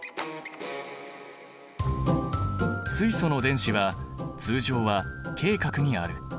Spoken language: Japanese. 水素の電子は通常はＫ殻にある。